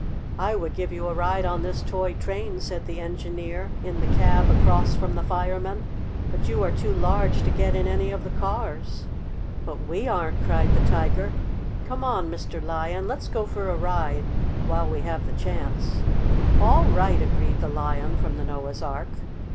"I would give you a ride on this toy train," said the Engineer in the cab across from the Fireman, "but you are too large to get in any of the cars." "But we aren't!" cried the Tiger. "Come on, Mr. Lion, let's go for a ride while we have the chance!" "All right!" agreed the Lion from the Noah's Ark.